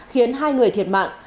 khiến hai người thiệt mạng